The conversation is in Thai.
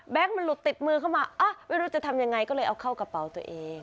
มันหลุดติดมือเข้ามาไม่รู้จะทำยังไงก็เลยเอาเข้ากระเป๋าตัวเอง